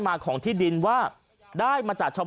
ท่านพรุ่งนี้ไม่แน่ครับ